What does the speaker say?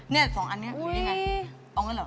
เนี่ย๒อันเนี่ยอยู่ไงเอางั้นหรอ